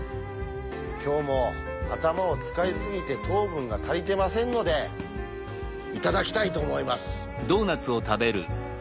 今日も頭を使い過ぎて糖分が足りてませんのでいただきたいと思います。